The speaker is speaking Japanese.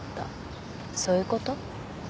そういうこと？